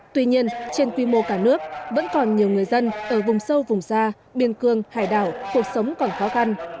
tuy nhiên trên quy mô cả nước vẫn còn nhiều người dân ở vùng sâu vùng xa biên cương hải đảo cuộc sống còn khó khăn